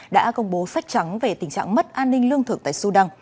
đã công bố sách trắng về tình trạng mất an ninh lương thực tại sudan